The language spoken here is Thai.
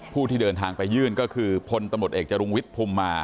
ผู้ที่เดินทางไปยื่นก็คือพลตำรวจเอกจรุงวิทย์ภูมิมา